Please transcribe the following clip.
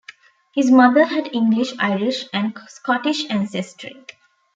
His mother had English, Irish, and Scottish ancestry.